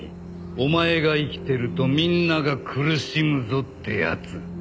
「お前が生きてるとみんなが苦しむぞ」ってやつ。